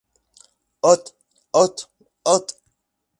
Hot Hot Hot!!!